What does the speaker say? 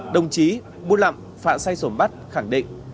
đồng chí bung lặn phạ say sổm bắt khẳng định